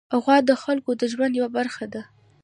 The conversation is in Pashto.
غوا د خلکو د ژوند یوه برخه ده.